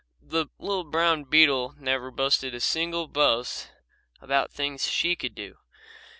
The little brown beetle never boasted a single boast about the things she could do.